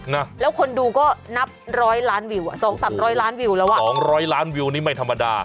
นะแล้วคนดูก็นับร้อยล้านวิวอ่ะสองสามร้อยล้านวิวแล้วอ่ะสองร้อยล้านวิวนี่ไม่ธรรมดา